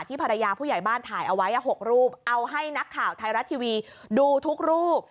ภรรยาผู้ใหญ่บ้านถ่ายเอาไว้๖รูปเอาให้นักข่าวไทยรัฐทีวีดูทุกรูป